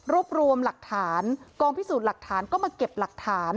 รวมรวมหลักฐานกองพิสูจน์หลักฐานก็มาเก็บหลักฐาน